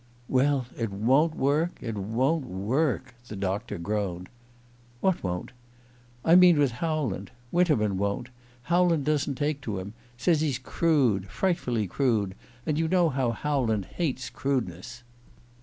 "Well, it won't work it won't work," the doctor groaned. "What won't?" "I mean with Howland. Winterman won't. Howland doesn't take to him. Says he's crude frightfully crude. And you know how Howland hates crudeness."